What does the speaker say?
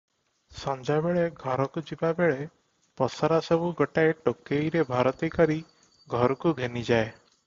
ସଞ୍ଜବେଳେ ଘରକୁ ଯିବାବେଳେ ପସରା ସବୁ ଗୋଟାଏ ଟୋକେଇରେ ଭରତି କରି ଘରୁକୁ ଘେନିଯାଏ ।